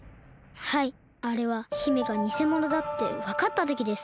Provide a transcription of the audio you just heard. はいあれは姫がにせものだってわかったときです。